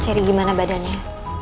ceri gimana badannya